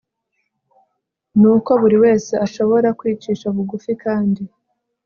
ni uko buri wese ashobora kwicisha bugufi kandi